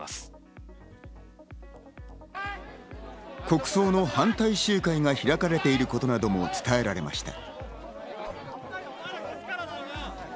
国葬の反対集会が開かれていることなども伝えられました。